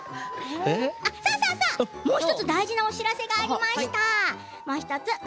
もう１つ大事なお知らせがありました。